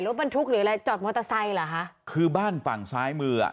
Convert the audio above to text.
รถบรรทุกหรืออะไรจอดมอเตอร์ไซค์เหรอคะคือบ้านฝั่งซ้ายมืออ่ะ